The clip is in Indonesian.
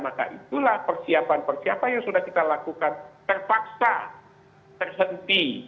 maka itulah persiapan persiapan yang sudah kita lakukan terpaksa terhenti